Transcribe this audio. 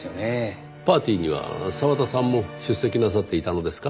パーティーには澤田さんも出席なさっていたのですか？